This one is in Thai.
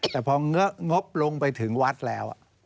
แต่พองบลงไปถึงวัดแล้ว